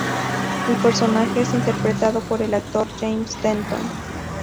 El personaje es interpretado por el actor James Denton.